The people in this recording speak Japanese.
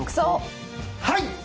はい！